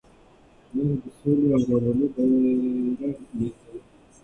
موږ د سولې او ورورولۍ بیرغ لېږدوو.